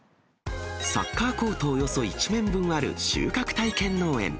サッカーコートおよそ１面分ある収穫体験農園。